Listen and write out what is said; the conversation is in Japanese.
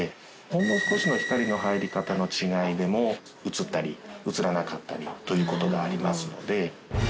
ほんの少しの光の入り方の違いでも映ったり映らなかったりという事がありますので。